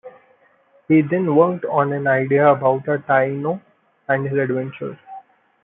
He then worked on an idea about a Taino and his adventures.